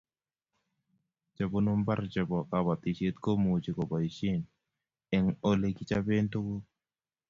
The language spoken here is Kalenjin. chebunu mbar chebo kabatishiet komuchi kebaishen eng' ole kichaben tuguk